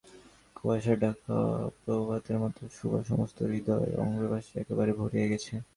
কুয়াশাঢাকা প্রভাতের মতো সুভার সমস্ত হৃদয় অশ্রুবাষ্পে একেবারে ভরিয়া গেল।